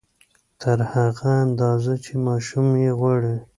تر هغې اندازې چې ماشوم يې غواړي